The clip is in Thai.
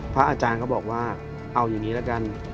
พระอาจารย์ก็บอกว่าเอาอย่างนี้ละกัน